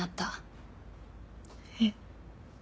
えっ？